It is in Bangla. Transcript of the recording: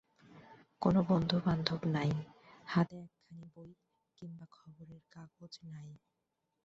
কোনো বন্ধুবান্ধব নাই, হাতে একখানি বই কিংবা খবরের কাগজ নাই।